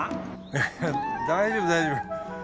いや大丈夫大丈夫。